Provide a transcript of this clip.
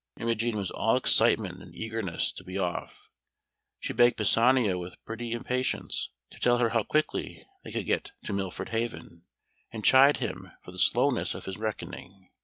Imogen was all excitement and eagerness to be off; she begged Pisanio with pretty impatience to tell her how quickly they could get to Milford Haven, and chid him for the slowness of his reckoning.